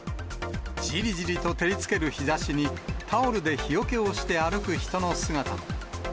じりじりと照りつける日ざしに、タオルで日よけをして歩く人の姿も。